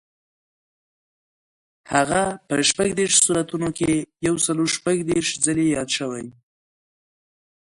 هغه په شپږ دېرش سورتونو کې یو سل شپږ دېرش ځلي یاد شوی.